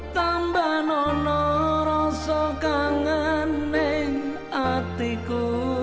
kambah nono rosok kangeni atiku